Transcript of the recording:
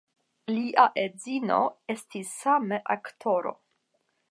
Lia edzino estis same aktoro.